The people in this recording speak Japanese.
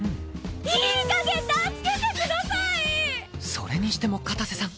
それにしても片瀬さん